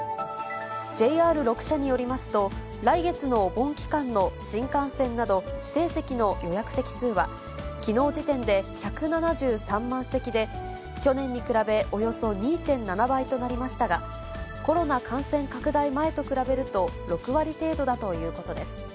ＪＲ６社によりますと、来月のお盆期間の新幹線など指定席の予約席数は、きのう時点で１７３万席で、去年に比べおよそ２．７倍となりましたが、コロナ感染拡大前と比べると、６割程度だということです。